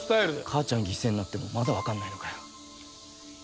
母ちゃん犠牲になってもまだ分かんないのかよ